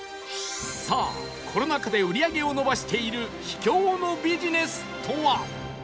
さあコロナ禍で売り上げを伸ばしている秘境のビジネスとは？